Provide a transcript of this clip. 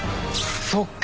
そっか。